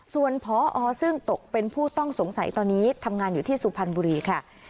ส่วนพอซึ่งตกเป็นผู้ต้องสงสัยตอนนี้ทำงานอยู่ที่สุพรรณบุรีค่ะ